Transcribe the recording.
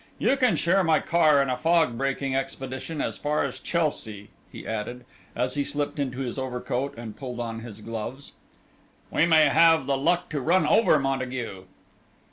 You can share my car on a fog breaking expedition as far as Chelsea," he added, as he slipped into his overcoat and pulled on his gloves; "we may have the luck to run over Montague."